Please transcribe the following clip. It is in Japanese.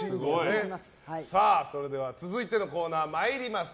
それでは、続いてのコーナーに参ります。